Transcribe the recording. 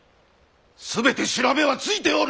全て調べはついておる！